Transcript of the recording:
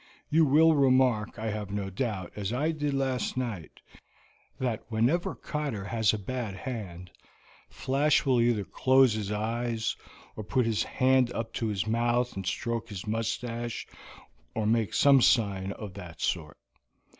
You will remark, I have no doubt, as I did last night, that whenever Cotter has a bad hand, Flash will either close his eyes, or put his hand up to his mouth and stroke his mustache, or make some sign of that sort.